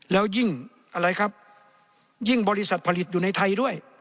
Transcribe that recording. แล้วยิ่งอะไรครับยิ่งบริษัทผลิตอยู่ในไทยด้วย